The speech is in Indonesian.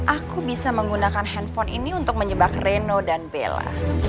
aku bisa menggunakan handphone ini untuk menjebak reno dan bella